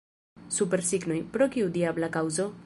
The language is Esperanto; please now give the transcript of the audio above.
Supersignoj, pro kiu diabla kaŭzo?